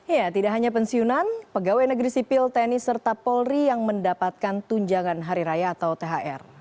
ya tidak hanya pensiunan pegawai negeri sipil tni serta polri yang mendapatkan tunjangan hari raya atau thr